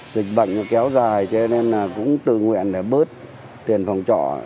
dịch bệnh kéo dài cho nên là cũng tự nguyện để bớt tiền phòng trọ